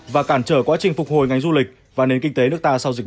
và cản trở quá trình phục hồi ngành du lịch và nền kinh tế nước ta sau dịch